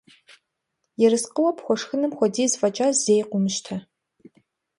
Ерыскъыуэ пхуэшхынум хуэдиз фӀэкӀа зэи къыумыщтэ.